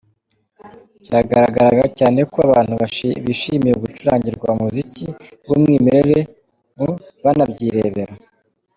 Byagaragaraga cyane ko abantu bishimiye gucurangirwa umuziki w’umwimerere mu banabyirebera.